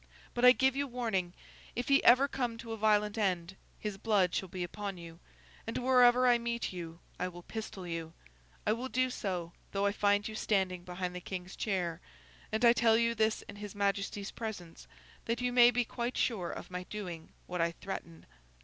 But I give you warning, if he ever come to a violent end, his blood shall be upon you, and wherever I meet you I will pistol you! I will do so, though I find you standing behind the King's chair; and I tell you this in his Majesty's presence, that you may be quite sure of my doing what I threaten.